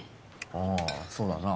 ああそうだな。